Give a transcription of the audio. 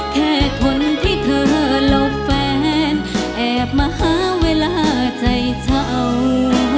แค่คนที่เธอหลบแฟนแอบมาหาเวลาใจเช่า